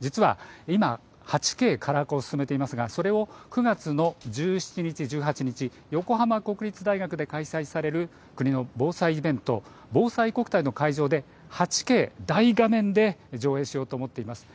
実は今、８Ｋ化を進めていますがそれを９月の１７日、１８日横浜国立大学で開催される国の防災イベント、ぼうさいこくたいの会場で大画面で上映しようと思っています。